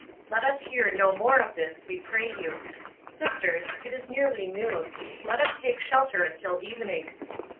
Let us hear no more of this, we pray you. Sisters, it is nearly noon. Let us take shelter until evening!"